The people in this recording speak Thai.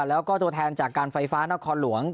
แล้วก็ตัวแทนจากการไฟฟ้านครหลวง